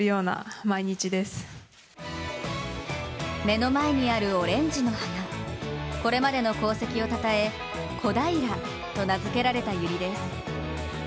目の前にあるオレンジの花、これまでの功績をたたえコダイラと名付けられた、ゆりです。